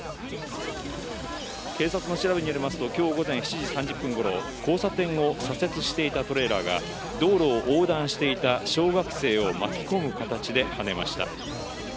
警察の調べによりますと、きょう午前７時３０分ごろ、交差点を左折していたトレーラーが、道路を横断していた小学生を巻き込む形ではねました。